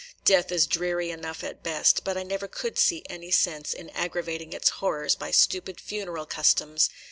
Death is dreary enough at best, but I never could see any sense in aggravating its horrors by stupid funeral customs.